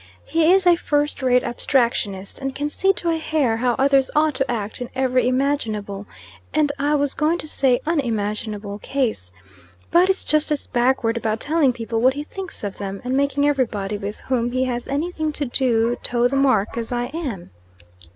He is a first rate abstractionist, and can see to a hair how others ought to act in every imaginable, and I was going to say unimaginable case; but is just as backward about telling people what he thinks of them, and making everybody with whom he has anything to do toe the mark, as I am.